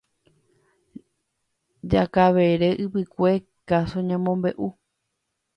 Jakavere ypykue káso ñemombeʼu.